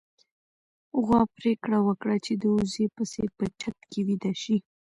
غوا پرېکړه وکړه چې د وزې په څېر په چت کې ويده شي.